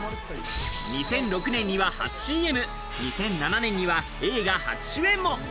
２００６年には初ＣＭ、２００７年には映画初主演も。